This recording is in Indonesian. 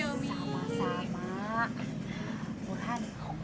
umi boleh minta tolong ya